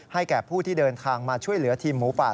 แก่ผู้ที่เดินทางมาช่วยเหลือทีมหมูป่า